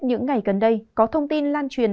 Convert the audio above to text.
những ngày gần đây có thông tin lan truyền